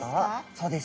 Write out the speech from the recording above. そうです。